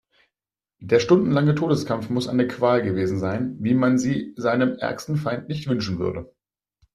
Der stundenlange Todeskampf muss eine Qual gewesen sein, wie man sie seinem ärgsten Feind nicht wünschen würde.